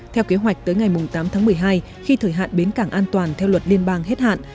theo kế hoạch tới ngày tám tháng một mươi hai khi thời hạn bến cảng an toàn theo luật liên bang hết hạn